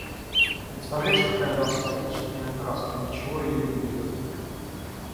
Представляешь, какая у нас отечественная краска, ничего ее не берет.